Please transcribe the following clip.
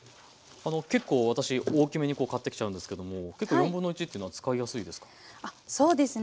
結構私大きめに買ってきちゃうんですけども結構1/4っていうのは使いやすいですか？